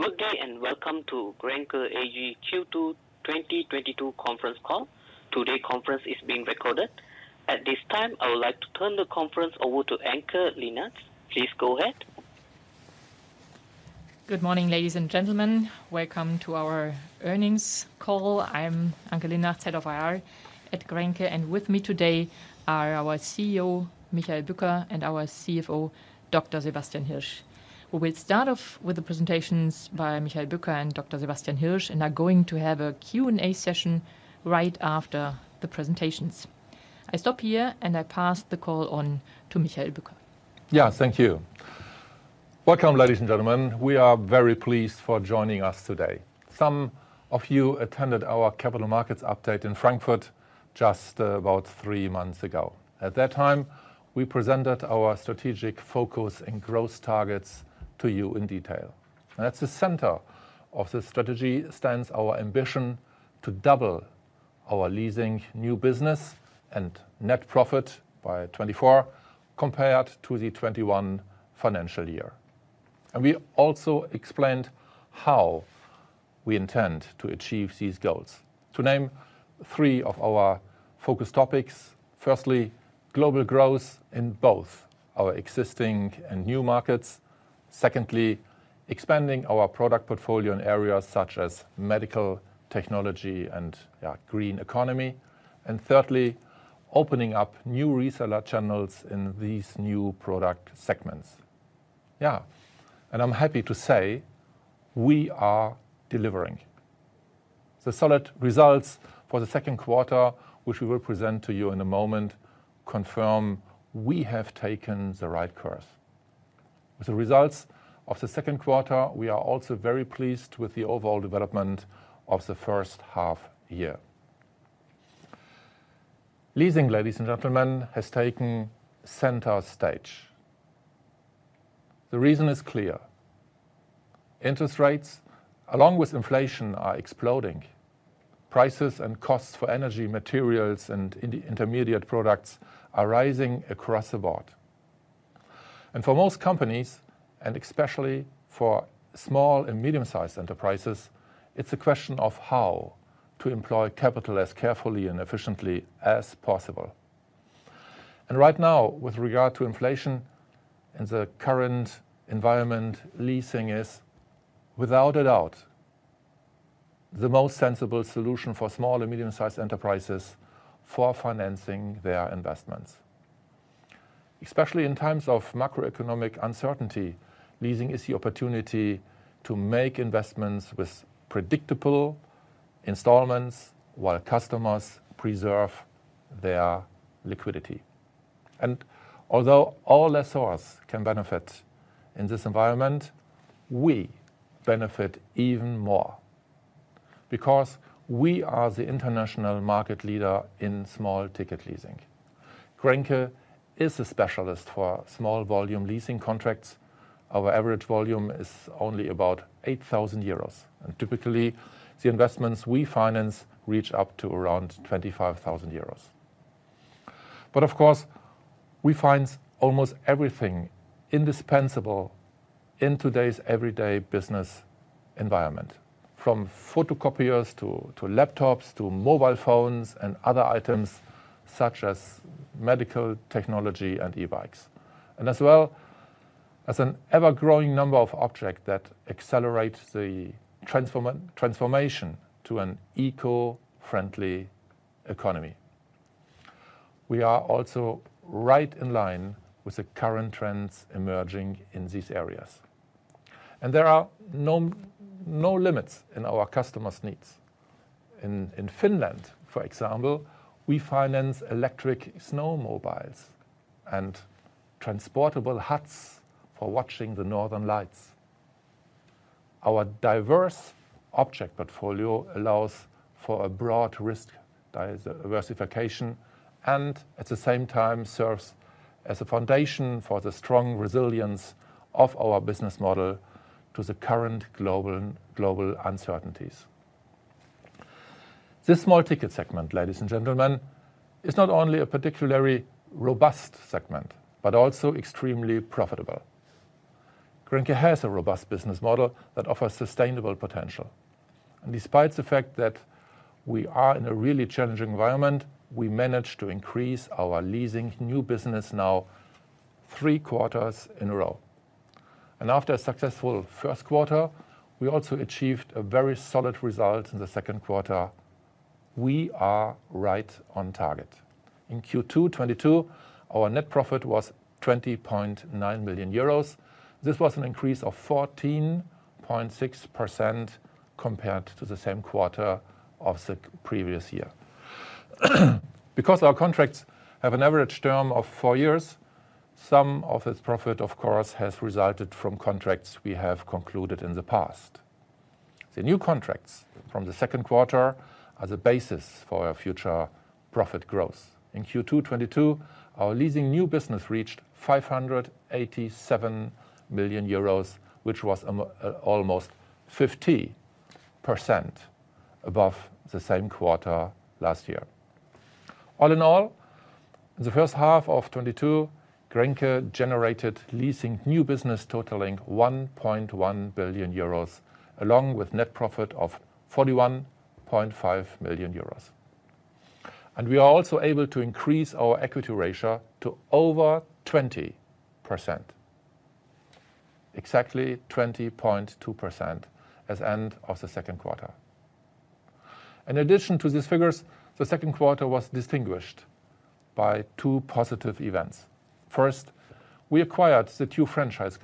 Good day and welcome to Grenke AG Q2 2022 conference call. Today's conference is being recorded. At this time, I would like to turn the conference over to Anke Linnartz. Please go ahead. Good morning, ladies and gentlemen. Welcome to our earnings call. I'm Anke Linnartz, Head of IR at Grenke, and with me today are our CEO, Michael Bücker, and our CFO, Dr. Sebastian Hirsch. We will start off with the presentations by Michael Bücker and Dr. Sebastian Hirsch, and are going to have a Q&A session right after the presentations. I stop here, and I pass the call on to Michael Bücker. Thank you. Welcome, ladies and gentlemen. We are very pleased you're joining us today. Some of you attended our capital markets update in Frankfurt just about three months ago. At that time, we presented our strategic focus and growth targets to you in detail. At the center of the strategy stands our ambition to double our leasing new business and net profit by 2024 compared to the 2021 financial year. We also explained how we intend to achieve these goals. To name three of our focus topics, firstly, global growth in both our existing and new markets. Secondly, expanding our product portfolio in areas such as medical technology and green economy. Thirdly, opening up new reseller channels in these new product segments. I'm happy to say we are delivering. The solid results for the second quarter, which we will present to you in a moment, confirm we have taken the right course. With the results of the second quarter, we are also very pleased with the overall development of the first half year. Leasing, ladies and gentlemen, has taken center stage. The reason is clear. Interest rates, along with inflation, are exploding. Prices and costs for energy materials and intermediate products are rising across the board. For most companies, and especially for small and medium-sized enterprises, it's a question of how to employ capital as carefully and efficiently as possible. Right now, with regard to inflation in the current environment, leasing is, without a doubt, the most sensible solution for small and medium-sized enterprises for financing their investments. Especially in times of macroeconomic uncertainty, leasing is the opportunity to make investments with predictable installments while customers preserve their liquidity. Although all lessors can benefit in this environment, we benefit even more because we are the international market leader in small-ticket leasing. Grenke is a specialist for small volume leasing contracts. Our average volume is only about 8,000 euros, and typically, the investments we finance reach up to around 25,000 euros. Of course, we finance almost everything indispensable in today's everyday business environment, from photocopiers to laptops, to mobile phones and other items such as medical technology and e-bikes. As well as an ever-growing number of objects that accelerate the transformation to an eco-friendly economy. We are also right in line with the current trends emerging in these areas. There are no limits in our customers' needs. In Finland, for example, we finance electric snowmobiles and transportable huts for watching the northern lights. Our diverse object portfolio allows for a broad risk diversification and, at the same time, serves as a foundation for the strong resilience of our business model to the current global uncertainties. This small ticket segment, ladies and gentlemen, is not only a particularly robust segment, but also extremely profitable. Grenke has a robust business model that offers sustainable potential. Despite the fact that we are in a really challenging environment, we managed to increase our leasing new business now three quarters in a row. After a successful first quarter, we also achieved a very solid result in the second quarter. We are right on target. In Q2 2022, our net profit was 20.9 million euros. This was an increase of 14.6% compared to the same quarter of the previous year. Because our contracts have an average term of four years, some of this profit, of course, has resulted from contracts we have concluded in the past. The new contracts from the second quarter are the basis for our future profit growth. In Q2 2022, our leasing new business reached 587 million euros, which was almost 50% above the same quarter last year. All in all, the first half of 2022, Grenke generated leasing new business totaling 1.1 billion euros, along with net profit of 41.5 million euros. We are also able to increase our equity ratio to over 20%. Exactly 20.2% as of the end of the second quarter. In addition to these figures, the second quarter was distinguished by two positive events. First, we acquired the two franchise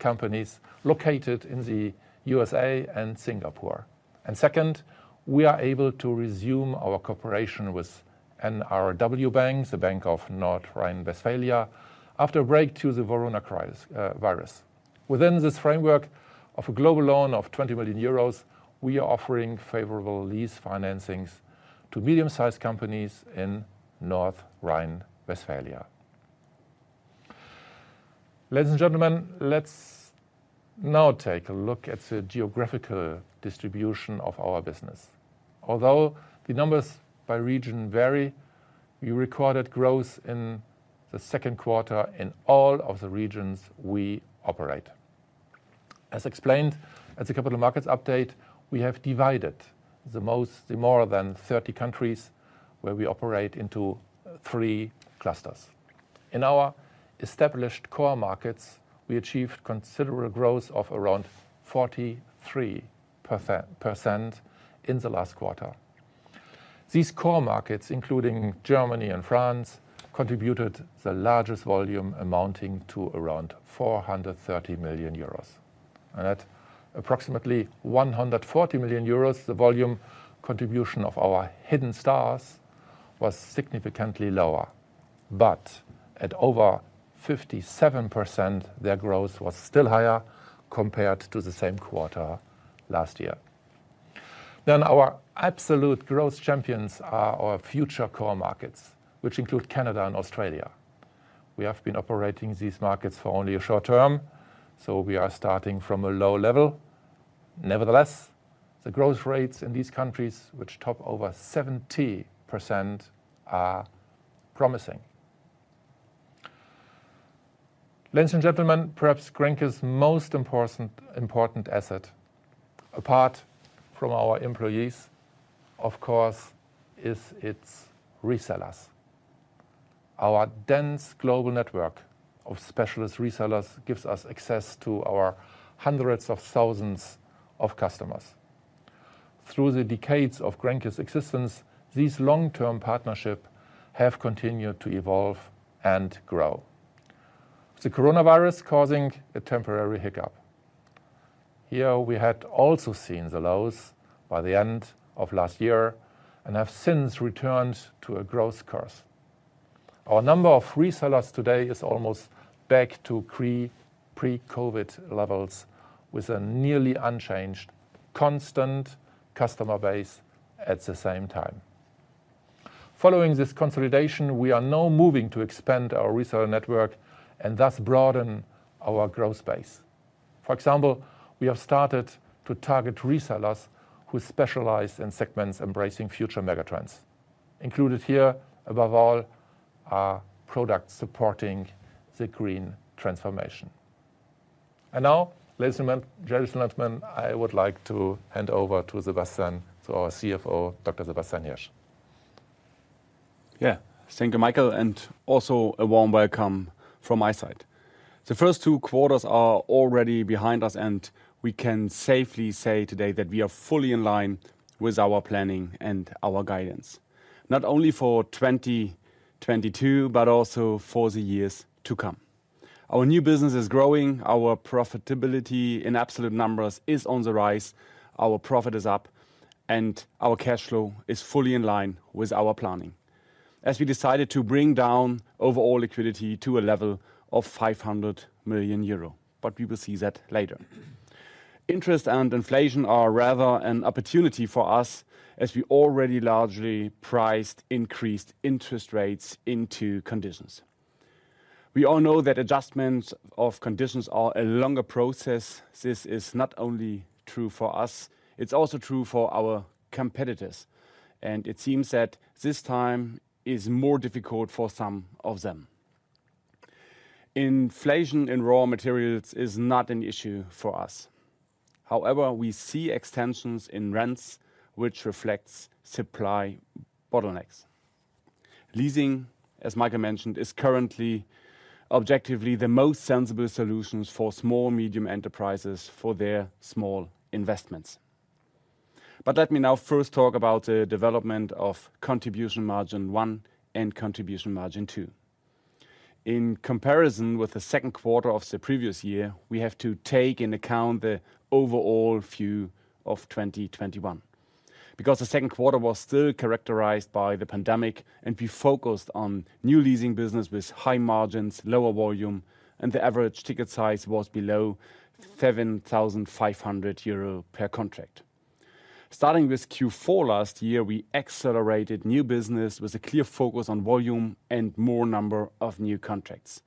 companies located in the USA and Singapore. Second, we are able to resume our cooperation with NRW.BANK, the Bank of North Rhine-Westphalia, after a break due to the corona crisis, virus. Within this framework of a global loan of 20 million euros, we are offering favorable lease financings to medium-sized companies in North Rhine-Westphalia. Ladies and gentlemen, let's now take a look at the geographical distribution of our business. Although the numbers by region vary, we recorded growth in the second quarter in all of the regions we operate. As explained at the capital markets update, we have divided the more than 30 countries where we operate into three clusters. In our established core markets, we achieved considerable growth of around 43% in the last quarter. These core markets, including Germany and France, contributed the largest volume amounting to around 430 million euros. At approximately 140 million euros, the volume contribution of our hidden stars was significantly lower, but at over 57%, their growth was still higher compared to the same quarter last year. Our absolute growth champions are our future core markets, which include Canada and Australia. We have been operating these markets for only a short term, so we are starting from a low level. Nevertheless, the growth rates in these countries, which top over 70%, are promising. Ladies and gentlemen, perhaps Grenke's most important asset, apart from our employees, of course, is its resellers. Our dense global network of specialist resellers gives us access to our hundreds of thousands of customers. Through the decades of Grenke's existence, these long-term partnerships have continued to evolve and grow. The coronavirus causing a temporary hiccup. Here we had also seen the lows by the end of last year and have since returned to a growth course. Our number of resellers today is almost back to pre-COVID levels with a nearly unchanged constant customer base at the same time. Following this consolidation, we are now moving to expand our reseller network and thus broaden our growth base. For example, we have started to target resellers who specialize in segments embracing future megatrends. Included here, above all, are products supporting the green transformation. Now, ladies and gentlemen, I would like to hand over to Sebastian, to our CFO, Dr. Sebastian Hirsch. Yeah. Thank you, Michael, and also a warm welcome from my side. The first two quarters are already behind us, and we can safely say today that we are fully in line with our planning and our guidance, not only for 2022, but also for the years to come. Our new business is growing. Our profitability in absolute numbers is on the rise. Our profit is up, and our cash flow is fully in line with our planning, as we decided to bring down overall liquidity to a level of 500 million euro. We will see that later. Interest and inflation are rather an opportunity for us as we already largely priced increased interest rates into conditions. We all know that adjustments of conditions are a longer process. This is not only true for us, it's also true for our competitors, and it seems that this time is more difficult for some of them. Inflation in raw materials is not an issue for us. However, we see extensions in rents which reflects supply bottlenecks. Leasing, as Michael mentioned, is currently objectively the most sensible solutions for small, medium enterprises for their small investments. Let me now first talk about the development of contribution margin one and contribution margin two. In comparison with the second quarter of the previous year, we have to take into account the overall view of 2021. Because the second quarter was still characterized by the pandemic, and we focused on new leasing business with high margins, lower volume, and the average ticket size was below 7,500 euro per contract. Starting with Q4 last year, we accelerated new business with a clear focus on volume and more number of new contracts,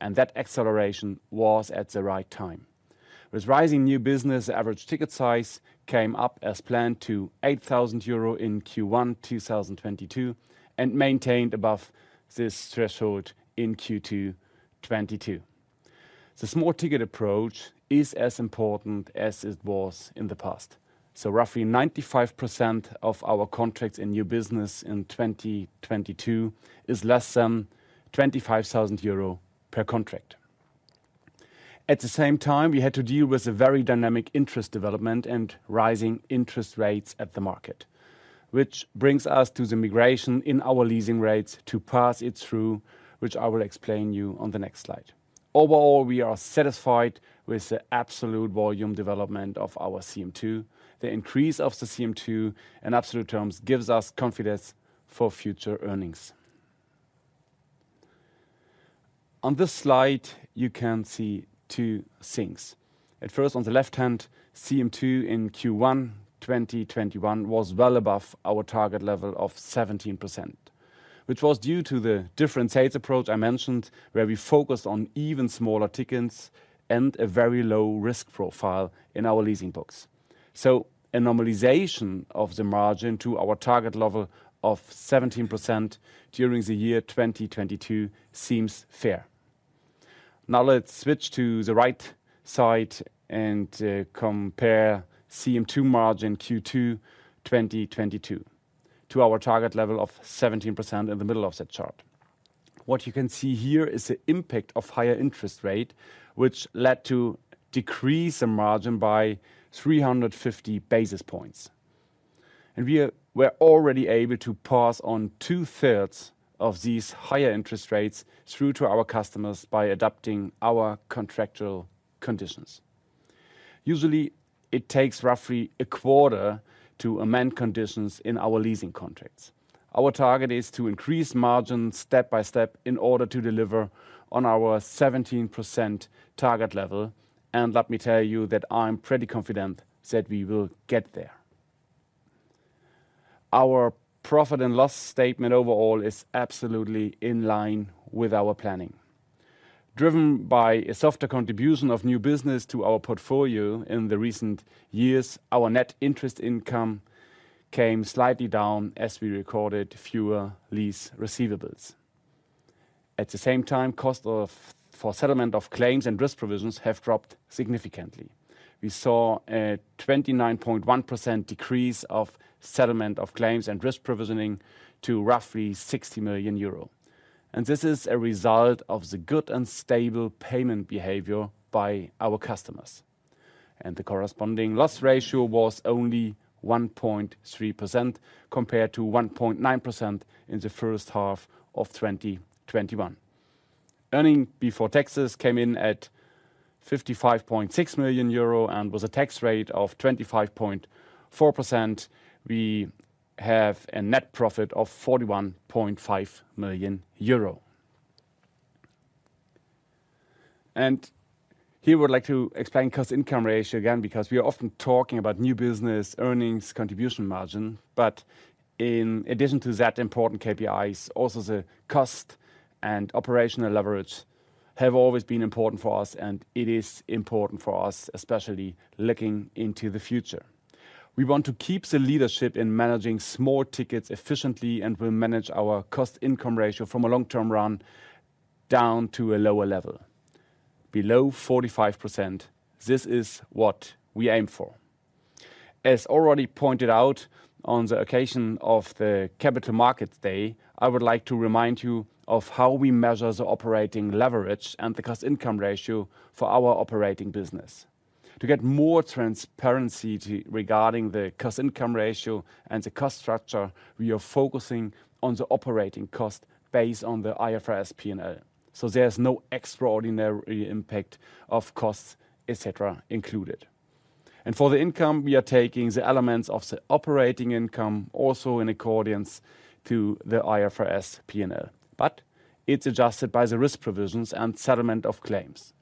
and that acceleration was at the right time. With rising new business, average ticket size came up as planned to 8,000 euro in Q1 2022, and maintained above this threshold in Q2 2022. The small ticket approach is as important as it was in the past. Roughly 95% of our contracts in new business in 2022 is less than 25,000 euro per contract. At the same time, we had to deal with a very dynamic interest development and rising interest rates at the market. Which brings us to the migration in our leasing rates to pass it through, which I will explain to you on the next slide. Overall, we are satisfied with the absolute volume development of our CM2. The increase of the CM2 in absolute terms gives us confidence for future earnings. On this slide, you can see two things. At first, on the left hand, CM2 in Q1 2021 was well above our target level of 17%, which was due to the different sales approach I mentioned, where we focused on even smaller tickets and a very low risk profile in our leasing books. A normalization of the margin to our target level of 17% during the year 2022 seems fair. Now let's switch to the right side and compare CM2 margin Q2 2022 to our target level of 17% in the middle of that chart. What you can see here is the impact of higher interest rate, which led to decrease in margin by 350 basis points. We were already able to pass on two-thirds of these higher interest rates through to our customers by adapting our contractual conditions. Usually, it takes roughly a quarter to amend conditions in our leasing contracts. Our target is to increase margin step by step in order to deliver on our 17% target level, and let me tell you that I'm pretty confident that we will get there. Our profit and loss statement overall is absolutely in line with our planning. Driven by a softer contribution of new business to our portfolio in the recent years, our net interest income came slightly down as we recorded fewer lease receivables. At the same time, costs for settlement of claims and risk provisions have dropped significantly. We saw a 29.1% decrease of settlement of claims and risk provisioning to roughly 60 million euro. This is a result of the good and stable payment behavior by our customers. The corresponding loss ratio was only 1.3% compared to 1.9% in the first half of 2021. Earnings before taxes came in at 55.6 million euro and with a tax rate of 25.4%, we have a net profit of 41.5 million euro. Here I would like to explain cost-income ratio again, because we are often talking about new business, earnings, contribution margin, but in addition to that important KPIs, also the cost and operational leverage have always been important for us, and it is important for us, especially looking into the future. We want to keep the leadership in managing small tickets efficiently and will manage our cost-income ratio from a long-term run down to a lower level, below 45%. This is what we aim for. As already pointed out on the occasion of the Capital Markets Day, I would like to remind you of how we measure the operating leverage and the cost-income ratio for our operating business. To get more transparency regarding the cost-income ratio and the cost structure, we are focusing on the operating cost based on the IFRS P&L. There's no extraordinary impact of costs, et cetera, included. For the income, we are taking the elements of the operating income also in accordance to the IFRS P&L. It's adjusted by the risk provisions and settlement of claims.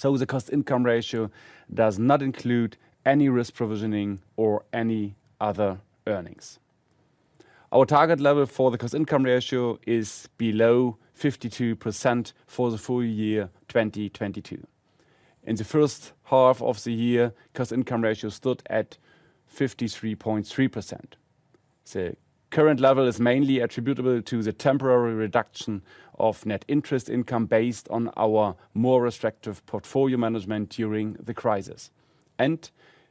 The cost-income ratio does not include any risk provisioning or any other earnings. Our target level for the cost-income ratio is below 52% for the full year 2022. In the first half of the year, cost-income ratio stood at 53.3%. The current level is mainly attributable to the temporary reduction of net interest income based on our more restrictive portfolio management during the crisis.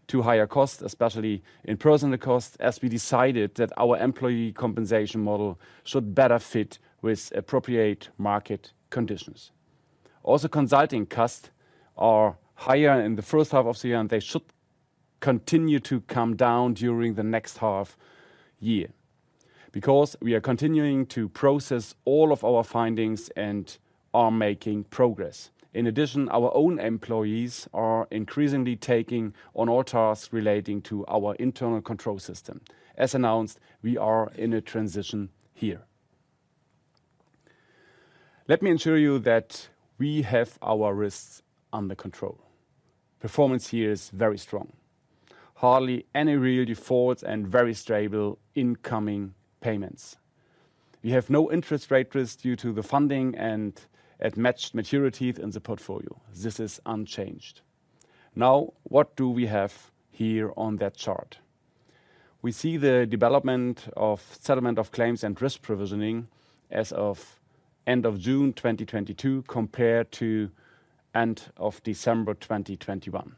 To higher costs, especially in personnel costs, as we decided that our employee compensation model should better fit with appropriate market conditions. Also, consulting costs are higher in the first half of the year, and they should continue to come down during the next half year, because we are continuing to process all of our findings and are making progress. In addition, our own employees are increasingly taking on all tasks relating to our internal control system. As announced, we are in a transition here. Let me ensure you that we have our risks under control. Performance here is very strong. Hardly any real defaults and very stable incoming payments. We have no interest rate risk due to the funding and at matched maturities in the portfolio. This is unchanged. Now, what do we have here on that chart? We see the development of settlement of claims and risk provisioning as of end of June 2022 compared to end of December 2021.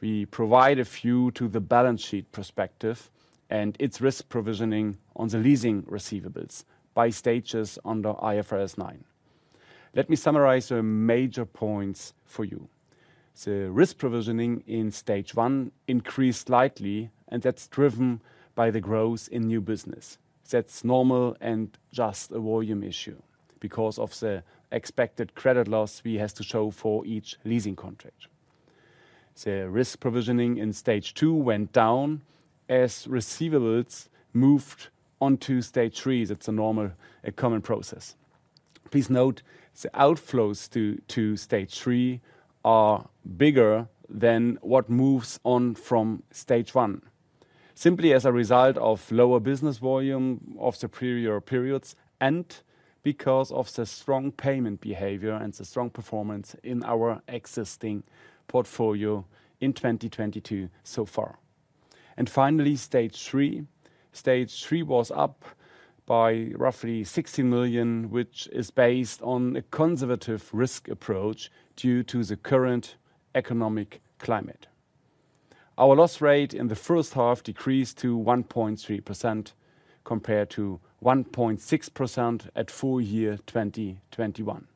We provide a view to the balance sheet perspective and its risk provisioning on the leasing receivables by stages under IFRS 9. Let me summarize the major points for you. The risk provisioning in stage one increased slightly, and that's driven by the growth in new business. That's normal and just a volume issue because of the expected credit loss we have to show for each leasing contract. The risk provisioning in stage two went down as receivables moved on to stage three. That's a normal, a common process. Please note, the outflows to stage three are bigger than what moves on from stage one, simply as a result of lower business volume of the prior periods and because of the strong payment behavior and the strong performance in our existing portfolio in 2022 so far. Finally, stage three. Stage three was up by roughly 60 million, which is based on a conservative risk approach due to the current economic climate. Our loss rate in the first half decreased to 1.3% compared to 1.6% at full year 2021.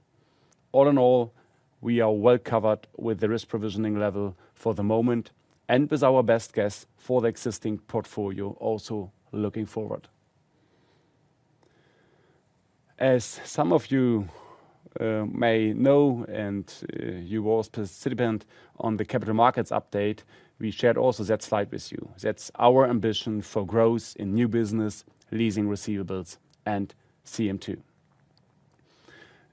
All in all, we are well covered with the risk provisioning level for the moment and with our best guess for the existing portfolio also looking forward. As some of you may know, and you was participant on the capital markets update, we shared also that slide with you. That's our ambition for growth in new business, leasing receivables, and CM2.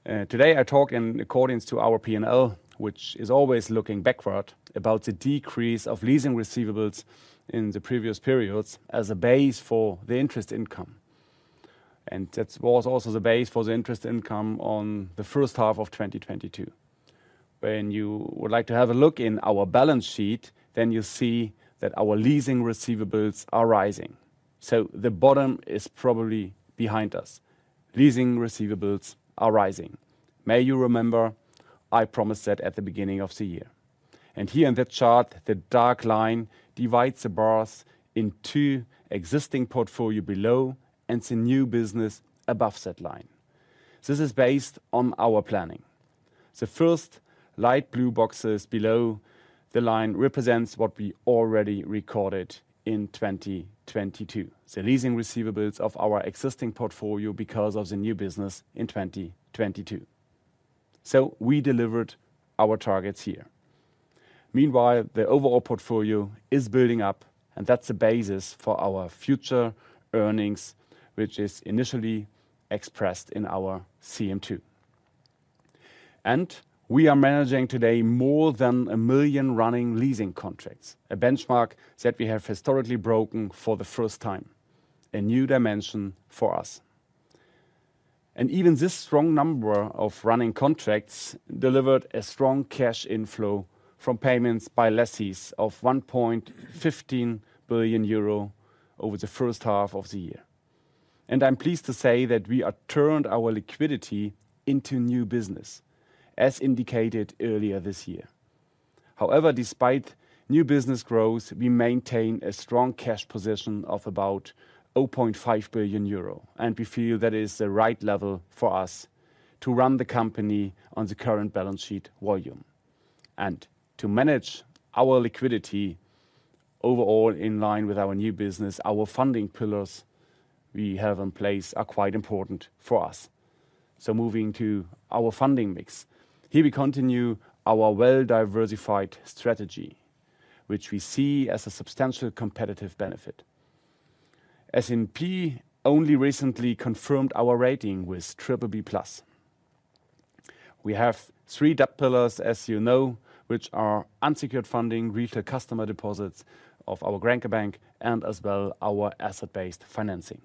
Today I talk in accordance to our P&L, which is always looking backward about the decrease of leasing receivables in the previous periods as a base for the interest income. That was also the base for the interest income on the first half of 2022. When you would like to have a look in our balance sheet, then you see that our leasing receivables are rising. The bottom is probably behind us. Leasing receivables are rising. may remember, I promised that at the beginning of the year. Here in that chart, the dark line divides the bars into existing portfolio below and the new business above that line. This is based on our planning. The first light blue boxes below the line represents what we already recorded in 2022, the leasing receivables of our existing portfolio because of the new business in 2022. We delivered our targets here. Meanwhile, the overall portfolio is building up, and that's the basis for our future earnings, which is initially expressed in our CM2. We are managing today more than 1 million running leasing contracts, a benchmark that we have historically broken for the first time, a new dimension for us. Even this strong number of running contracts delivered a strong cash inflow from payments by lessees of 1.15 billion euro over the first half of the year. I'm pleased to say that we have turned our liquidity into new business, as indicated earlier this year. However, despite new business growth, we maintain a strong cash position of about 0.5 billion euro, and we feel that is the right level for us to run the company on the current balance sheet volume. To manage our liquidity overall in line with our new business, our funding pillars we have in place are quite important for us. Moving to our funding mix. Here we continue our well-diversified strategy, which we see as a substantial competitive benefit. S&P only recently confirmed our rating with BBB+. We have three debt pillars, as you know, which are unsecured funding, retail customer deposits of our Grenke Bank, and as well our asset-based financing.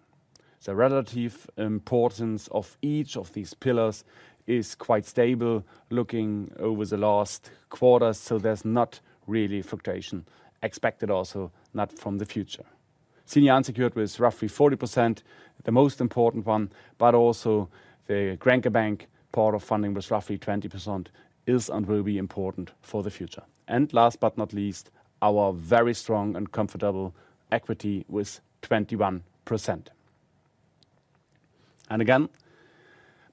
The relative importance of each of these pillars is quite stable looking over the last quarter, so there's not really fluctuation expected also, not from the future. Senior unsecured was roughly 40%, the most important one, but also the Grenke Bank part of funding was roughly 20% is and will be important for the future. Last but not least, our very strong and comfortable equity was 21%.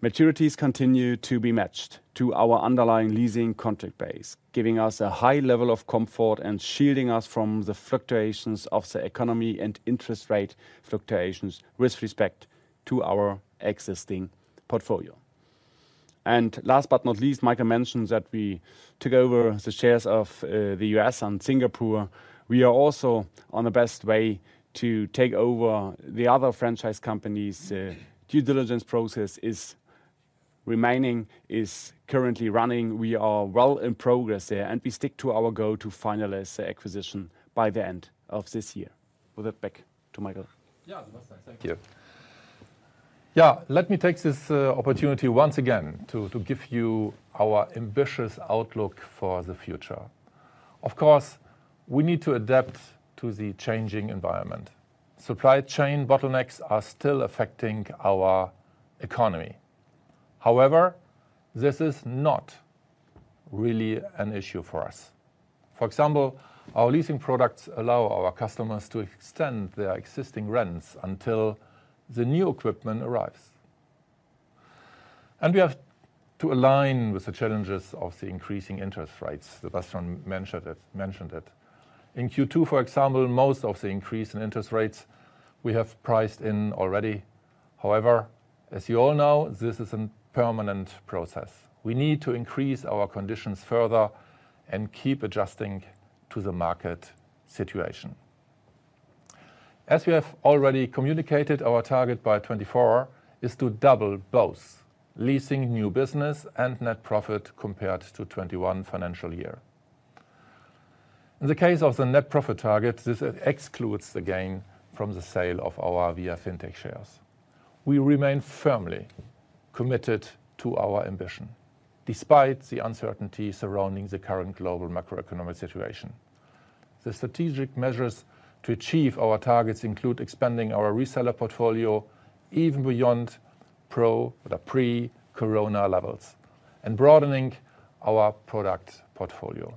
Maturities continue to be matched to our underlying leasing contract base, giving us a high level of comfort and shielding us from the fluctuations of the economy and interest rate fluctuations with respect to our existing portfolio. Last but not least, Michael mentioned that we took over the shares of the US and Singapore. We are also on the best way to take over the other franchise companies. Due diligence process is currently running. We are well in progress there, and we stick to our goal to finalize the acquisition by the end of this year. With that, back to Michael. Yeah, Sebastian, thank you. Yeah. Let me take this opportunity once again to give you our ambitious outlook for the future. Of course, we need to adapt to the changing environment. Supply chain bottlenecks are still affecting our economy. However, this is not really an issue for us. For example, our leasing products allow our customers to extend their existing rents until the new equipment arrives. We have to align with the challenges of the increasing interest rates that Sebastian mentioned. In Q2, for example, most of the increase in interest rates we have priced in already. However, as you all know, this is a permanent process. We need to increase our conditions further and keep adjusting to the market situation. As we have already communicated, our target by 2024 is to double both leasing new business and net profit compared to 2021 financial year. In the case of the net profit target, this excludes the gain from the sale of our viafintech shares. We remain firmly committed to our ambition, despite the uncertainty surrounding the current global macroeconomic situation. The strategic measures to achieve our targets include expanding our reseller portfolio even beyond the pre-corona levels and broadening our product portfolio,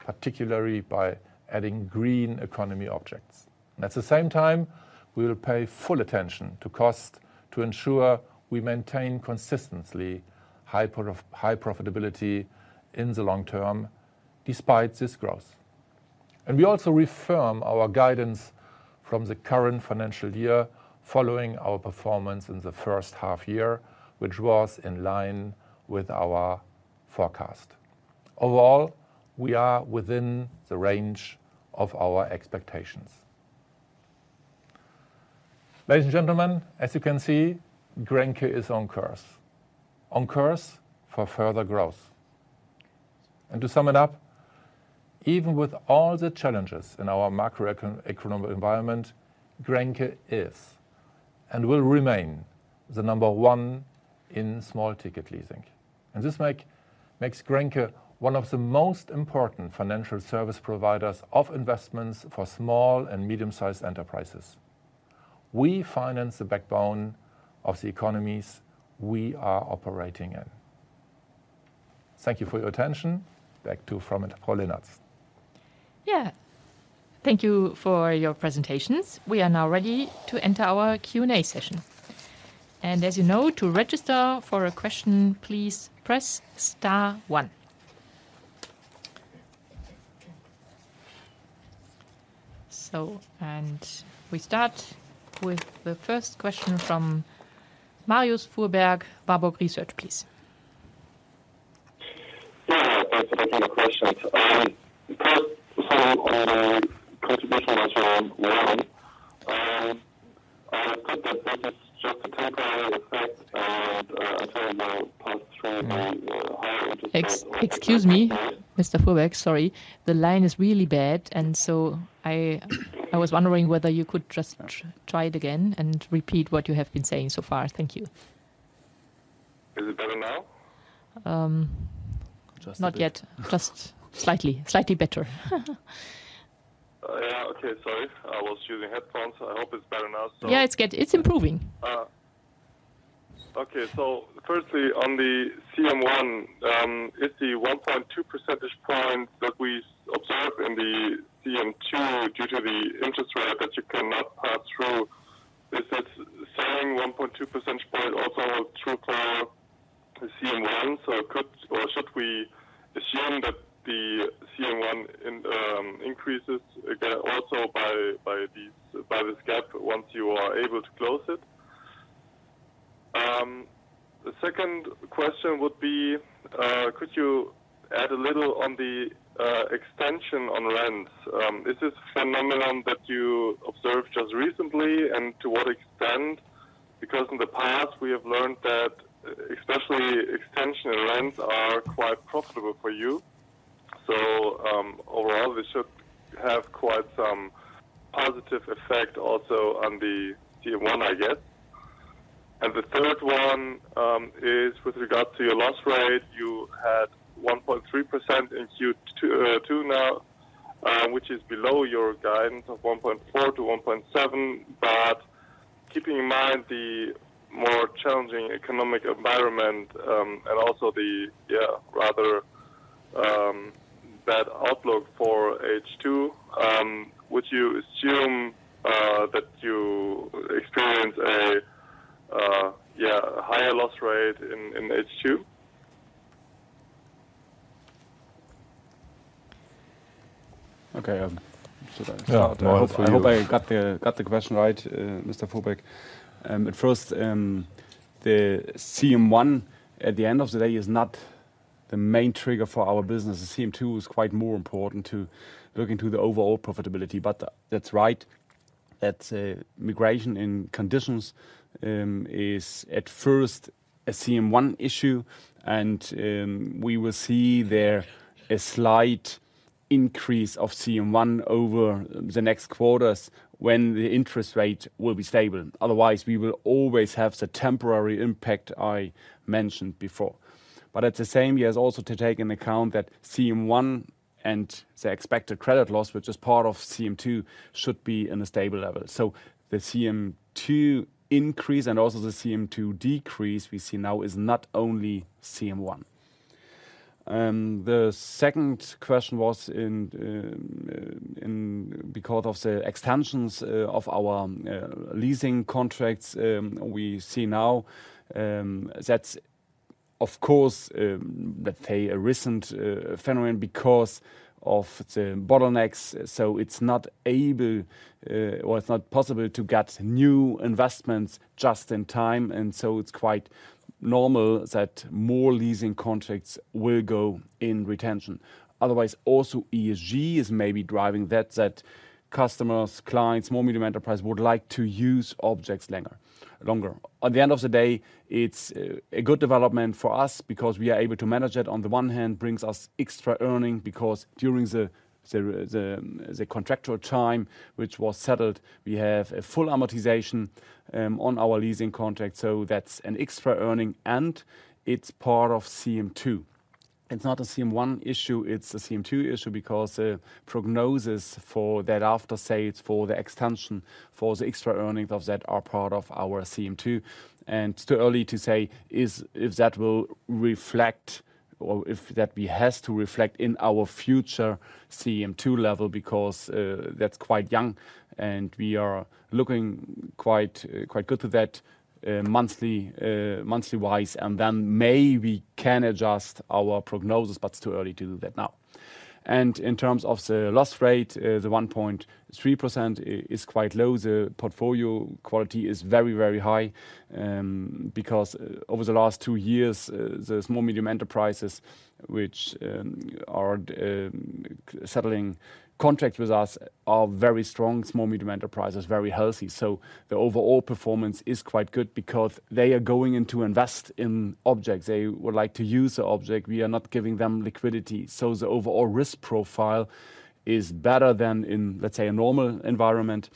particularly by adding green economy objects. At the same time, we will pay full attention to cost to ensure we maintain consistently high profitability in the long term despite this growth. We also reaffirm our guidance from the current financial year following our performance in the first half year, which was in line with our forecast. Overall, we are within the range of our expectations. Ladies and gentlemen, as you can see, Grenke is on course. On course for further growth. To sum it up, even with all the challenges in our macroeconomic environment, Grenke is and will remain the number one in small-ticket leasing. This makes Grenke one of the most important financial service providers of investments for small and medium-sized enterprises. We finance the backbone of the economies we are operating in. Thank you for your attention. Back to Anke Linnartz. Yeah. Thank you for your presentations. We are now ready to enter our Q&A session. As you know, to register for a question, please Press Star one. We start with the first question from Marius Fuhrberg, Warburg Research, please. Yeah. Thanks for taking the questions. First on the contribution ratio of one, just to tackle on the effect of also the pass-through by higher interest rate. Excuse me, Mr. Fuhrberg. Sorry. The line is really bad, and so I was wondering whether you could just try it again and repeat what you have been saying so far. Thank you. Is it better now? Um Just a bit. Not yet. Just slightly. Slightly better. Yeah. Okay. Sorry. I was using headphones. I hope it's better now. Yeah, it's improving. Okay. Firstly, on the CM1, is the 1.2 percentage point that we observe in the CM2 due to the interest rate that you cannot pass through? Is 1.2 percentage point also true for the CM1? Could or should we assume that the CM1 increases again also by this gap once you are able to close it? The second question would be, could you add a little on the extension on rents? Is this a phenomenon that you observed just recently, and to what extent? Because in the past we have learned that especially extension rents are quite profitable for you. Overall, this should have quite some positive effect also on the CM1, I guess. The third one is with regard to your loss rate. You had 1.3% in Q2, 2% now, which is below your guidance of 1.4%-1.7%. Keeping in mind the more challenging economic environment, and also the rather bad outlook for H2, would you assume that you experience a higher loss rate in H2? Okay. Should I start? Yeah. I hope I got the question right, Mr. Fuhrberg. At first, the CM1 at the end of the day is not the main trigger for our business. The CM2 is quite more important to look into the overall profitability. That's right. That's, migration in conditions, is at first a CM1 issue, and we will see there a slight increase of CM1 over the next quarters when the interest rate will be stable. Otherwise, we will always have the temporary impact I mentioned before. At the same, we has also to take into account that CM1 and the expected credit loss, which is part of CM2, should be in a stable level. The CM2 increase and also the CM2 decrease we see now is not only CM1. The second question was in because of the extensions of our leasing contracts, we see now, that's of course, let's say a recent phenomenon because of the bottlenecks, so it's not able, or it's not possible to get new investments just in time. It's quite normal that more leasing contracts will go in retention. Otherwise, also ESG is maybe driving that customers, clients, small, medium enterprise would like to use objects longer. At the end of the day, it's a good development for us because we are able to manage it. On the one hand, brings us extra earning because during the contractual time which was settled, we have a full amortization on our leasing contract, so that's an extra earning and it's part of CM2. It's not a CM1 issue, it's a CM2 issue because the prognosis for that after sales, for the extension, for the extra earnings of that are part of our CM2. It's too early to say if that will reflect or if that we has to reflect in our future CM2 level because that's quite young and we are looking quite good to that monthly-wise, and then maybe we can adjust our prognosis, but it's too early to do that now. In terms of the loss rate, the 1.3% is quite low. The portfolio quality is very, very high because over the last two years the small, medium enterprises which are settling contracts with us are very strong small, medium enterprises, very healthy. The overall performance is quite good because they are going in to invest in objects. They would like to use the object. We are not giving them liquidity, so the overall risk profile is better than in, let's say, a normal environment.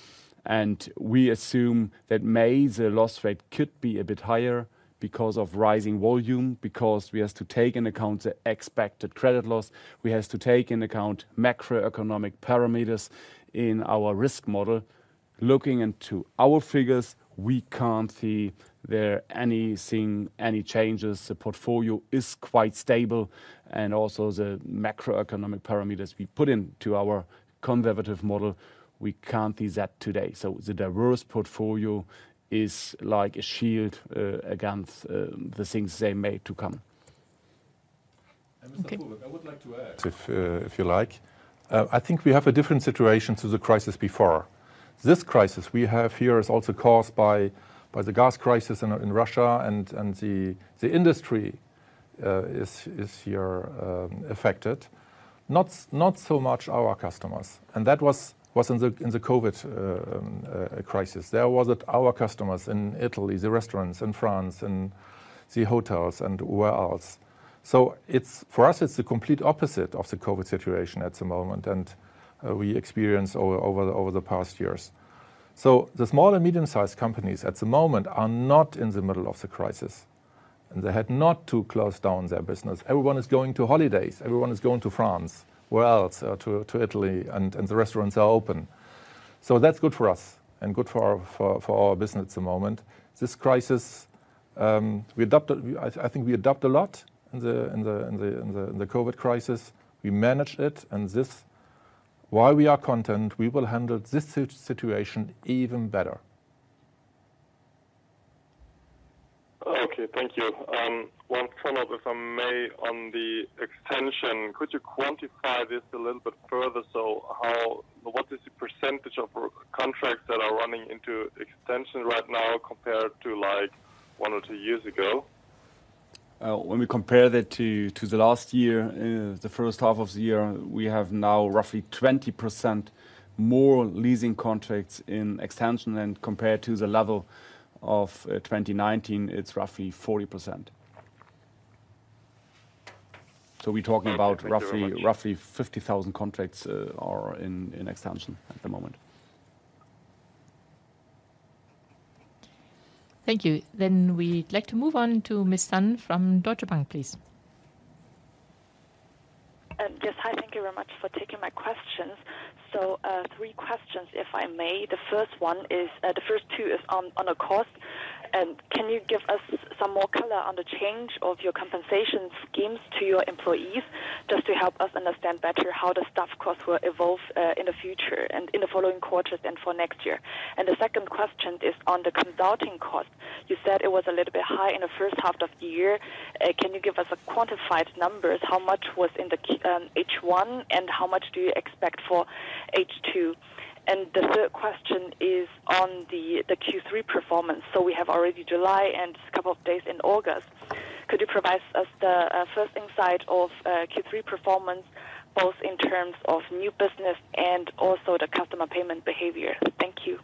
We assume that may the loss rate could be a bit higher because of rising volume, because we have to take into account the expected credit loss. We have to take into account macroeconomic parameters in our risk model. Looking into our figures, we can't see there anything, any changes. The portfolio is quite stable and also the macroeconomic parameters we put into our conservative model, we can't see that today. The diverse portfolio is like a shield against the things they made to come. Okay. Mr. Bulthaupt, I would like to add, if you like. I think we have a different situation to the crisis before. This crisis we have here is also caused by the gas crisis in Russia and the industry is here affected. Not so much our customers, and that was in the COVID crisis. There was it our customers in Italy, the restaurants in France and the hotels and where else. It's for us, it's the complete opposite of the COVID situation at the moment and we experienced over the past years. The small- and medium-sized companies at the moment are not in the middle of the crisis, and they had not to close down their business. Everyone is going to holidays. Everyone is going to France, where else? To Italy. The restaurants are open. That's good for us and good for our business at the moment. This crisis, we adapted. I think we adapt a lot in the COVID crisis. We managed it and this. While we are content, we will handle this situation even better. Okay. Thank you. One follow-up, if I may, on the extension. Could you quantify this a little bit further? What is the percentage of contracts that are running into extension right now compared to, like, one or two years ago? When we compare that to the last year, the first half of the year, we have now roughly 20% more leasing contracts in extension and compared to the level of 2019, it's roughly 40%. We're talking about roughly 50,000 contracts are in extension at the moment. Thank you. Thank you. We'd like to move on to Siyi Li from Deutsche Bank, please. Yes. Hi. Thank you very much for taking my questions. Three questions, if I may. The first two are on cost. Can you give us some more color on the change of your compensation schemes to your employees, just to help us understand better how the staff costs will evolve in the future and in the following quarters and for next year? The second question is on the consulting cost. You said it was a little bit high in the first half of the year. Can you give us quantified numbers, how much was in the H1, and how much do you expect for H2? The third question is on the Q3 performance. We have already July and a couple of days in August. Could you provide us the first insight of Q3 performance, both in terms of new business and also the customer payment behavior? Thank you.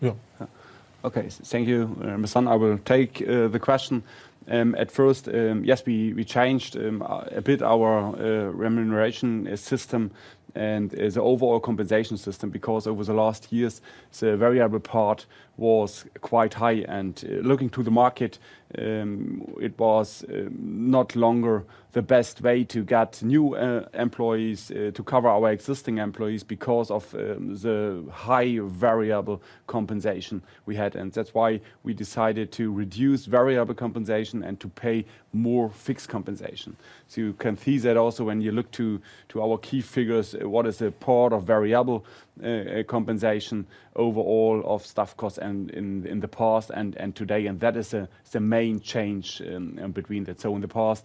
Yeah. Okay. Thank you, Siting Li. I will take the question. At first, yes, we changed a bit our remuneration system and the overall compensation system because over the last years, the variable part was quite high. Looking at the market, it was no longer the best way to get new employees to cover our existing employees because of the high variable compensation we had. That's why we decided to reduce variable compensation and to pay more fixed compensation. You can see that also when you look at our key figures, what is the part of variable compensation overall of staff costs in the past and today. That is the main change between that. In the past,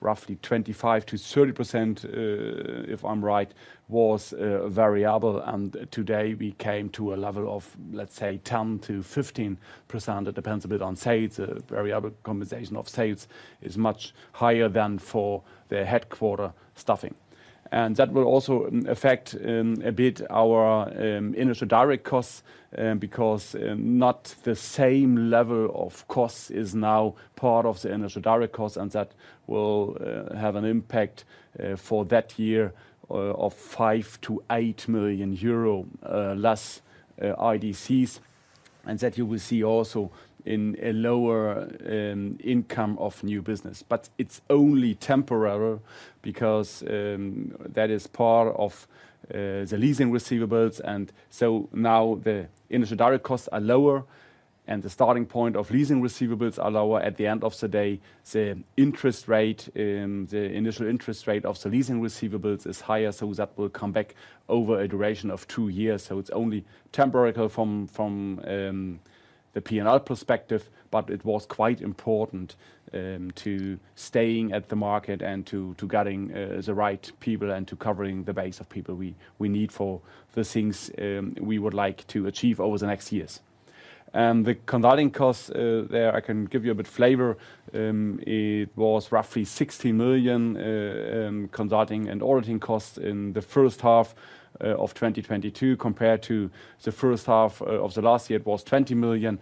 roughly 25%-30%, if I'm right, was variable. Today we came to a level of, let's say, 10%-15%. It depends a bit on sales. Variable compensation of sales is much higher than for the headquarter staffing. That will also affect a bit our Initial Direct Costs, because not the same level of costs is now part of the Initial Direct Costs, and that will have an impact for that year of 5 million-8 million euro less IDCs. That you will see also in a lower income of new business. It's only temporary because that is part of the leasing receivables. Now the Initial Direct Costs are lower, and the starting point of leasing receivables are lower. At the end of the day, the interest rate, the initial interest rate of the leasing receivables is higher, so that will come back over a duration of two years. It's only temporary from the P&L perspective, but it was quite important to staying at the market and to getting the right people and to covering the base of people we need for the things we would like to achieve over the next years. The consulting costs, there, I can give you a bit flavor. It was roughly 60 million consulting and auditing costs in the first half of 2022 compared to the first half of the last year, it was 20 million.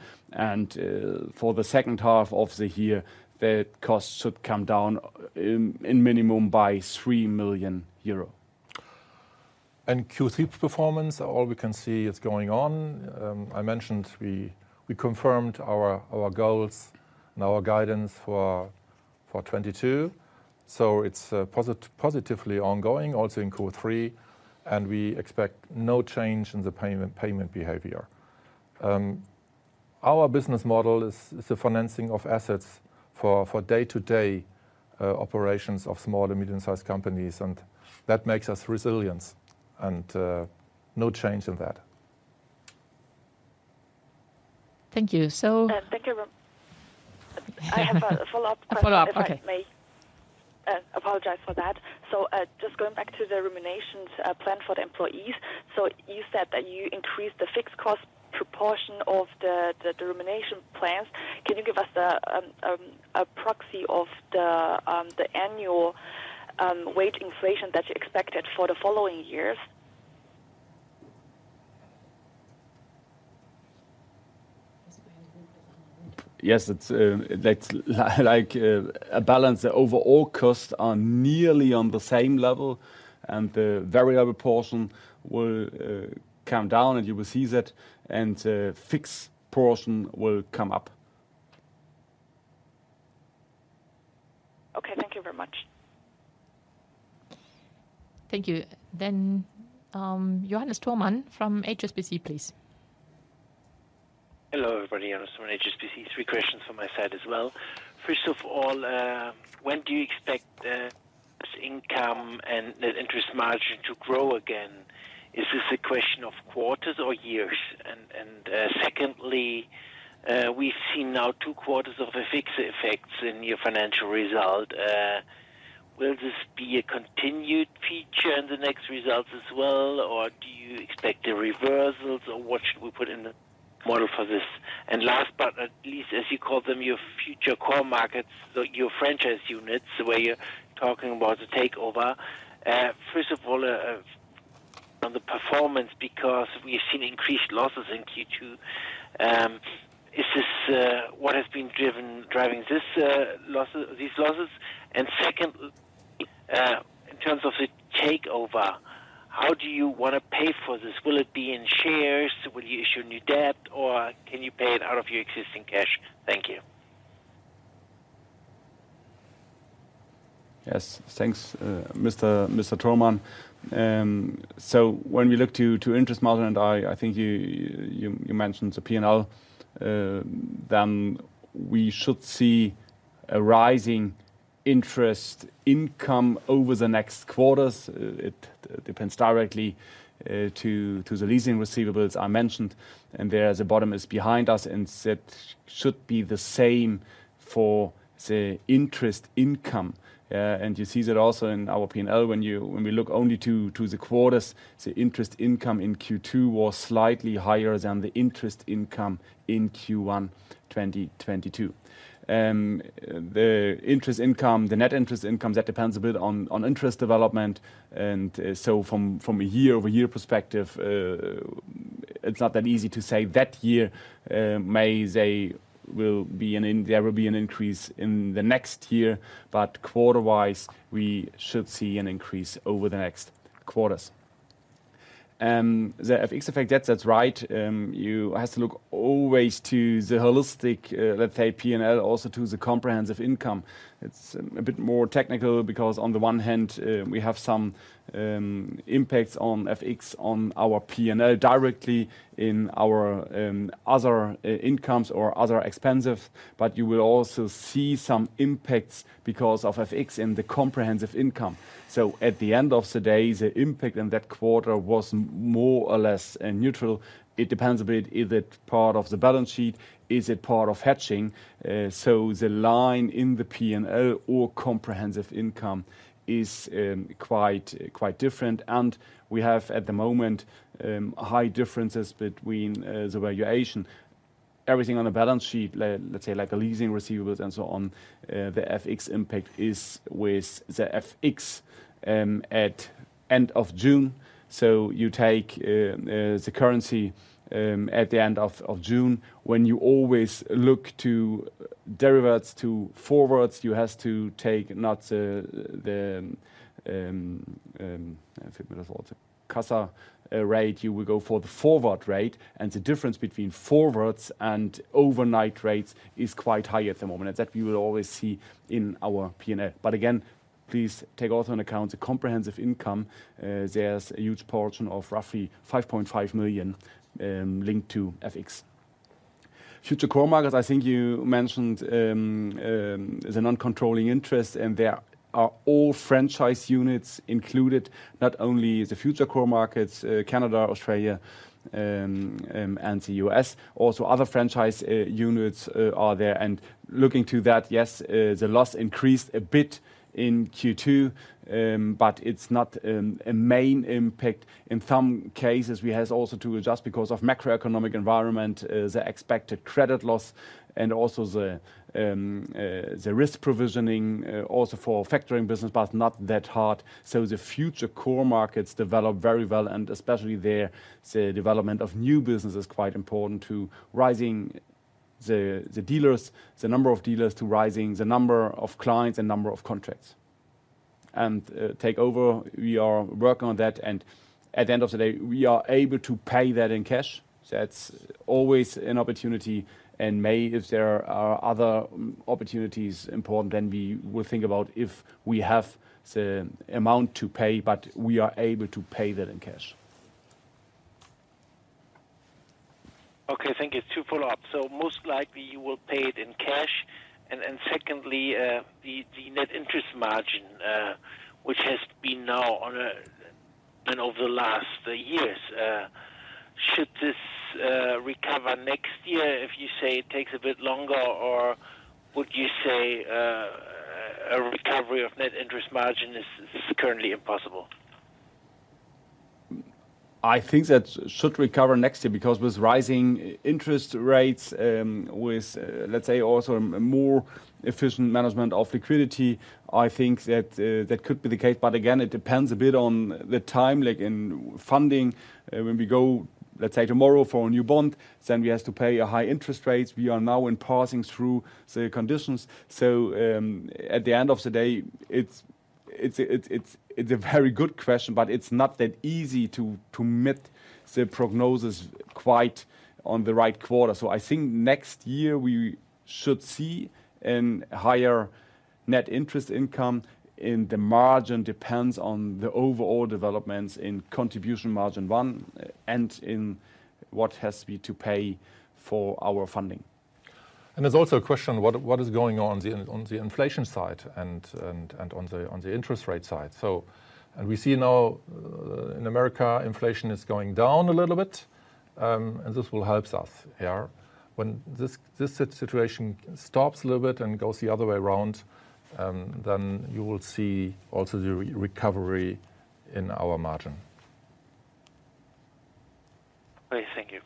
For the second half of the year, the cost should come down in minimum by 3 million euro. Q3 performance, all we can see is going on. I mentioned we confirmed our goals and our guidance for 2022. It's positively ongoing also in Q3, and we expect no change in the payment behavior. Our business model is the financing of assets for day-to-day operations of small to medium-sized companies, and that makes us resilient, and no change in that. Thank you. Thank you. I have a follow-up question. Follow-up. Okay. If I may. Apologize for that. Just going back to the remuneration plan for the employees. You said that you increased the fixed cost proportion of the remuneration plans. Can you give us a proxy of the annual wage inflation that you expected for the following years? Yes. It's that's like a balance. The overall costs are nearly on the same level, and the variable portion will come down, and you will see that. The fixed portion will come up. Okay. Thank you very much. Thank you. Johannes Thormann from HSBC, please. Hello, everybody. Johannes Thormann, HSBC. Three questions from my side as well. First of all, when do you expect this income and net interest margin to grow again? Is this a question of quarters or years? Secondly, we've seen now two quarters of FX effects in your financial result. Will this be a continued feature in the next results as well, or do you expect the reversals or what should we put in the model for this? Last but not least, as you call them, your future core markets, so your franchise units, the way you're talking about the takeover. First of all, on the performance, because we've seen increased losses in Q2, is this what has been driving these losses? Second, in terms of the takeover, how do you wanna pay for this? Will it be in shares? Will you issue new debt, or can you pay it out of your existing cash? Thank you. Yes. Thanks, Mr. Thormann. When we look to interest margin, and I think you mentioned the P&L, then we should see a rising Interest income over the next quarters, it depends directly to the leasing receivables I mentioned, and there the bottom is behind us, and that should be the same for the interest income. You see that also in our P&L when we look only to the quarters, the interest income in Q2 was slightly higher than the interest income in Q1 2022. The interest income, the net interest income, that depends a bit on interest development. From a year-over-year perspective, it's not that easy to say there will be an increase in the next year. Quarter-wise, we should see an increase over the next quarters. The FX effect. That's right. You have to look always to the holistic, let's say P&L, also to the comprehensive income. It's a bit more technical because on the one hand, we have some impacts on FX on our P&L directly in our other incomes or other expenses, but you will also see some impacts because of FX in the comprehensive income. At the end of the day, the impact in that quarter was more or less neutral. It depends a bit, is it part of the balance sheet? Is it part of hedging? The line in the P&L or comprehensive income is quite different. We have at the moment high differences between the valuation. Everything on the balance sheet, let's say like a leasing receivables and so on, the FX impact is with the FX at end of June. You take the currency at the end of June. When you always look to derivatives, to forwards, you have to take not the middle of the spot rate, you will go for the forward rate, and the difference between forwards and overnight rates is quite high at the moment, and that we will always see in our P&L. Please take also into account the comprehensive income. There's a huge portion of roughly 5.5 million linked to FX. Future core markets, I think you mentioned, the non-controlling interest, and there are all franchise units included, not only the future core markets, Canada, Australia, and the US. Also other franchise units are there. Looking to that, yes, the loss increased a bit in Q2, but it's not a main impact. In some cases, we has also to adjust because of macroeconomic environment, the expected credit loss and also the risk provisioning, also for factoring business, but not that hard. The future core markets develop very well, and especially there, the development of new business is quite important to raising the number of dealers, to raising the number of clients and number of contracts. Takeovers, we are working on that, and at the end of the day, we are able to pay that in cash. That's always an opportunity. Maybe, if there are other opportunities important, then we will think about if we have the amount to pay, but we are able to pay that in cash. Okay, thank you. To follow up, most likely you will pay it in cash. Secondly, the net interest margin, which has been, and over the last years, should this recover next year if you say it takes a bit longer? Would you say a recovery of net interest margin is currently impossible? I think that should recover next year because with rising interest rates, let's say, also a more efficient management of liquidity, I think that could be the case. But again, it depends a bit on the time, like in funding, when we go, let's say, tomorrow for a new bond, then we have to pay high interest rates. We are now passing through the conditions. At the end of the day, it's a very good question, but it's not that easy to meet the prognosis quite in the right quarter. I think next year we should see a higher net interest income, and the margin depends on the overall developments in contribution margin one and in what has to be paid for our funding. There's also a question, what is going on on the inflation side and on the interest rate side? We see now in America, inflation is going down a little bit, and this will helps us here. When this situation stops a little bit and goes the other way around, then you will see also the recovery in our margin. Great. Thank you.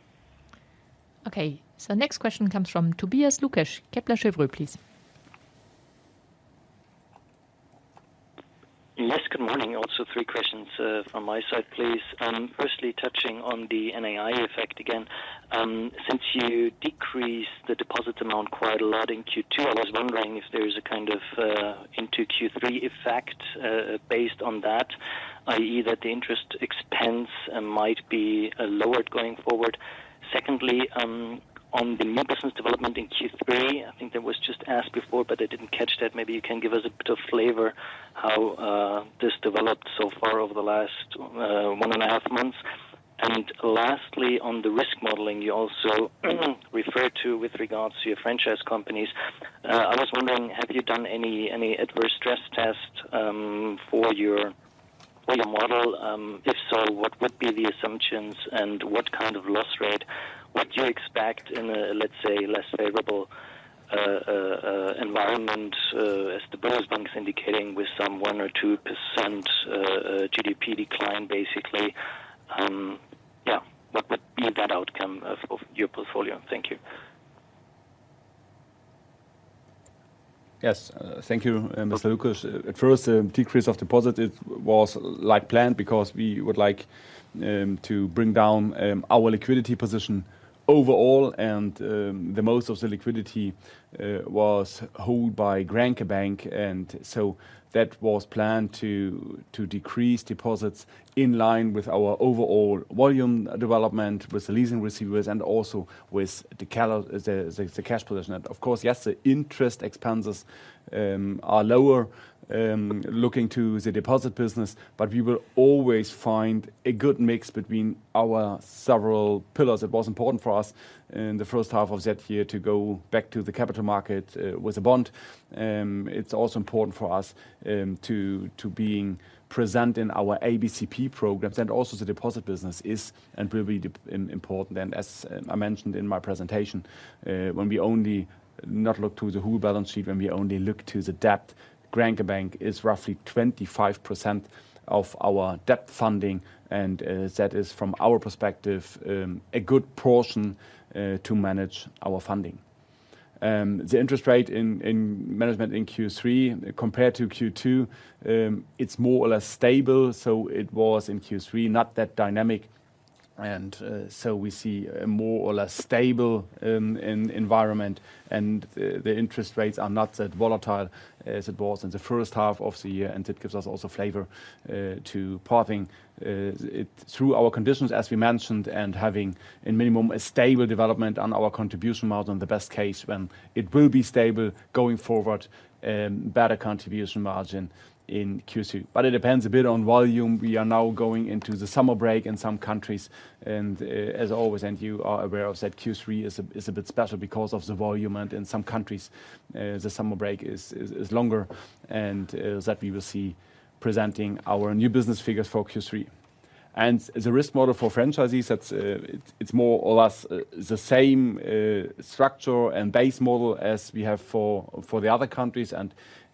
Okay. Next question comes from Tobias Lukesch, Kepler Cheuvreux, please. Yes, good morning. Also three questions from my side, please. Firstly, touching on the NII effect again, since you decreased the deposit amount quite a lot in Q2, I was wondering if there is a kind of into Q3 effect based on that, i.e., that the interest expense might be lowered going forward. Secondly, on the mob business development in Q3, I think that was just asked before, but I didn't catch that. Maybe you can give us a bit of flavor how this developed so far over the last one and a half months. Lastly, on the risk modeling you also referred to with regards to your franchise companies. I was wondering, have you done any adverse stress test for your model? If so, what would be the assumptions and what kind of loss rate would you expect in a, let's say, less favorable environment, as the Bundesbank's indicating with some 1%-2% GDP decline, basically? Yeah. What would be that outcome of your portfolio? Thank you. Yes. Thank you, Mr. Lukesch. At first, decrease of deposits it was like planned because we would like to bring down our liquidity position overall and the most of the liquidity was held by Grenke Bank. That was planned to decrease deposits in line with our overall volume development with the leasing receivables and also with the cash position. Of course, yes, the interest expenses are lower looking to the deposit business, but we will always find a good mix between our several pillars. It was important for us in the first half of that year to go back to the capital market with a bond. It's also important for us to be present in our ABCP programs and also the deposit business is and will be important. As I mentioned in my presentation, when we only look to the debt, Grenke Bank is roughly 25% of our debt funding. That is from our perspective a good portion to manage our funding. The interest rate environment in Q3 compared to Q2, it's more or less stable, so it was in Q3 not that dynamic. We see a more or less stable environment and the interest rates are not that volatile as it was in the first half of the year. It gives us also leeway to pass it through our conditions as we mentioned, and having at minimum a stable development on our contribution margin. The best case when it will be stable going forward, better contribution margin in Q2. It depends a bit on volume. We are now going into the summer break in some countries, and, as always, and you are aware of that Q3 is a bit special because of the volume and in some countries, the summer break is longer and, that we will see presenting our new business figures for Q3. The risk model for franchisees that's, it's more or less, the same, structure and base model as we have for the other countries.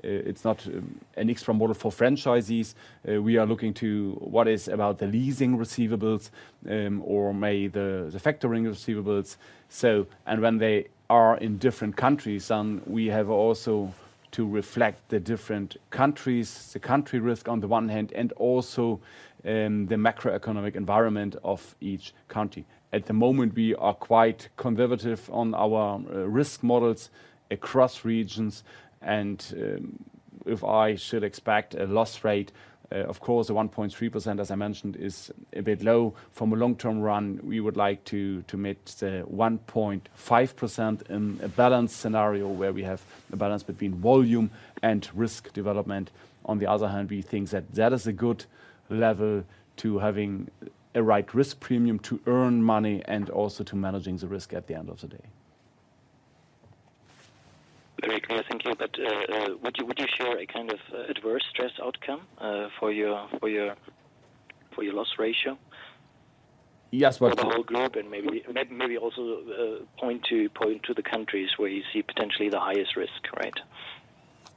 It's not an extra model for franchisees. We are looking to what is about the leasing receivables, or may the factoring receivables. When they are in different countries, we have also to reflect the different countries, the country risk on the one hand, and also, the macroeconomic environment of each country. At the moment, we are quite conservative on our risk models across regions. If I should expect a loss rate, of course the 1.3%, as I mentioned, is a bit low. From a long-term run, we would like to meet 1.5% in a balanced scenario where we have a balance between volume and risk development. On the other hand, we think that that is a good level to having a right risk premium to earn money and also to managing the risk at the end of the day. Very clear. Thank you. Would you share a kind of adverse stress outcome for your loss ratio? Yes. For the whole globe and maybe also point to the countries where you see potentially the highest risk, right?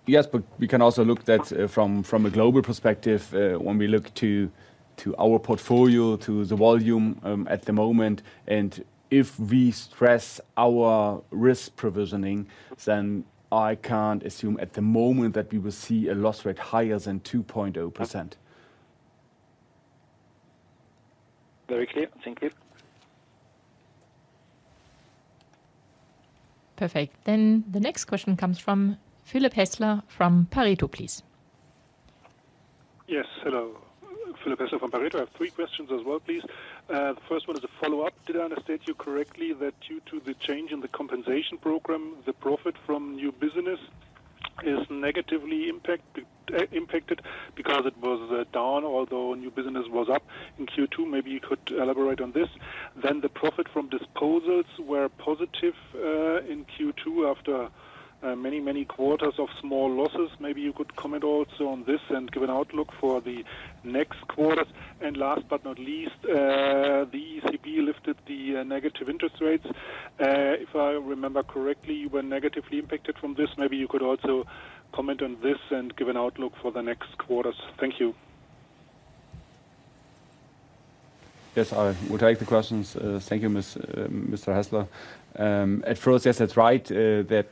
Yes, we can also look at that from a global perspective when we look to our portfolio to the volume at the moment. If we stress our risk provisioning, then I can't assume at the moment that we will see a loss rate higher than 2.0%. Very clear. Thank you. Perfect. The next question comes from Philipp Häßler from Pareto Securities, please. Yes. Hello. Philipp Häßler from Pareto Securities. I have three questions as well, please. The first one is a follow-up. Did I understand you correctly that due to the change in the compensation program, the profit from new business is negatively impacted because it was down, although new business was up in Q2? Maybe you could elaborate on this. The profit from disposals were positive in Q2 after many, many quarters of small losses. Maybe you could comment also on this and give an outlook for the next quarters. Last but not least, the ECB lifted the negative interest rates. If I remember correctly, you were negatively impacted from this. Maybe you could also comment on this and give an outlook for the next quarters. Thank you. Yes, I would take the questions. Thank you, Mr. Häßler. At first, yes, that's right, that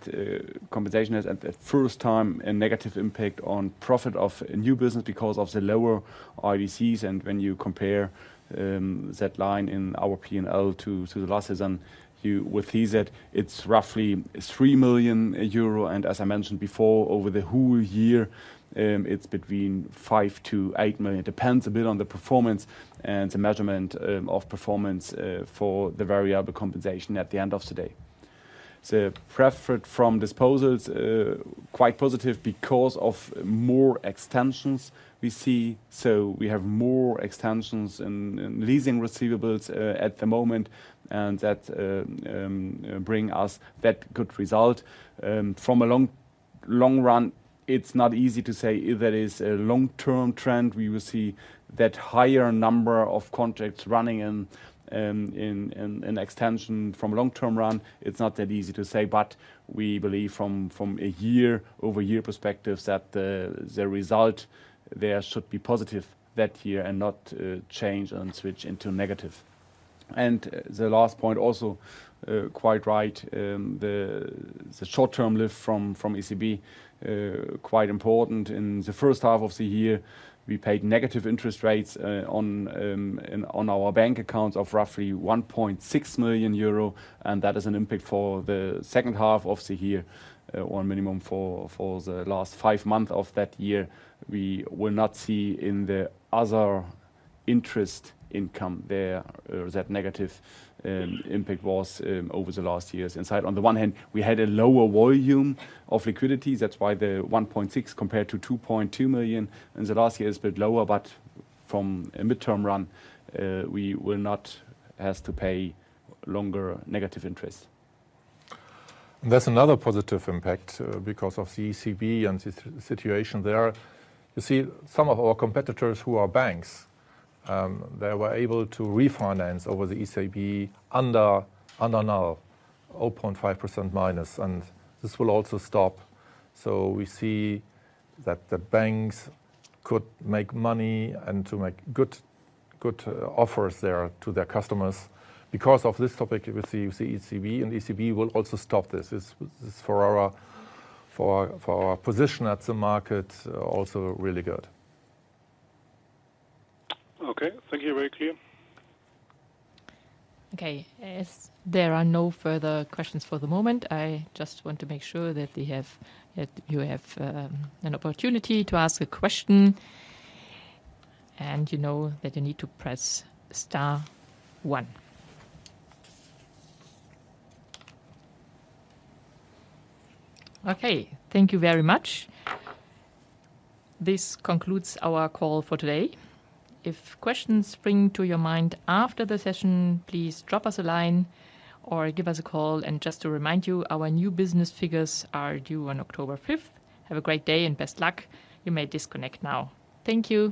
compensation has for the first time a negative impact on profit of new business because of the lower IDCs. When you compare that line in our P&L to the last season, you would see that it's roughly 3 million euro. As I mentioned before, over the whole year, it's between 5 million-8 million. Depends a bit on the performance and the measurement of performance for the variable compensation at the end of the day. The profit from disposals quite positive because of more extensions we see. We have more extensions and leasing receivables at the moment and that bring us that good result. From a long run, it's not easy to say if that is a long-term trend. We will see that higher number of contracts running and in extension from long-term run, it's not that easy to say. We believe from a year-over-year perspective that the result there should be positive that year and not change and switch into negative. The last point also quite right. The short-term lift from ECB quite important. In the first half of the year, we paid negative interest rates on our bank accounts of roughly 1.6 million euro, and that is an impact for the second half of the year or minimum for the last five months of that year. We will not see in the other interest income there that negative impact was over the last years. In size, on the one hand, we had a lower volume of liquidity, that's why the 1.6 million compared to 2.2 million in the last year is a bit lower. From a mid- to long run, we will not have to pay longer negative interest. That's another positive impact because of the ECB and situation there. You see, some of our competitors who are banks, they were able to refinance over the ECB under now 0.5%-, and this will also stop. We see that the banks could make money and to make good offers there to their customers. Because of this topic with the ECB, and ECB will also stop this. This for our position at the market also really good. Okay. Thank you. Very clear. Okay. As there are no further questions for the moment, I just want to make sure that you have an opportunity to ask a question, and you know that you need to Press Star one. Okay. Thank you very much. This concludes our call for today. If questions spring to your mind after the session, please drop us a line or give us a call. Just to remind you, our new business figures are due on October fifth. Have a great day and best luck. You may disconnect now. Thank you.